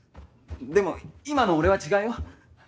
でも今の俺は違うよ？